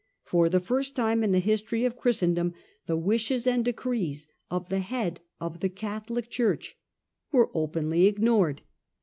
For the first time in the history of Christendom the wishes and decrees of the head of the Catholic Church were openly ignored.